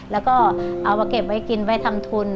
แล้วก็เอามาเก็บไว้กินไว้ทำทุน